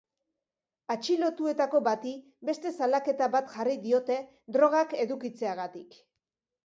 Atxilotuetako bati beste salaketa bat jarri diote drogak edukitzeagatik.